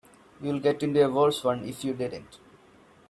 You'll get into a worse one if you don't.